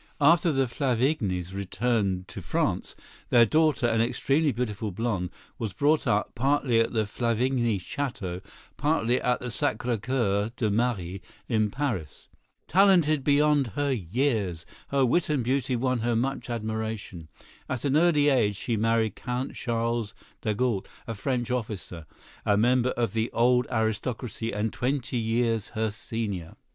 After the Flavignys returned to France, their daughter, an extremely beautiful blonde, was brought up, partly at the Flavigny château, partly at the Sacré Coeur de Marie, in Paris. Talented beyond her years, her wit and beauty won her much admiration. At an early age she married Count Charles d'Agoult, a French officer, a member of the old aristocracy and twenty years her senior.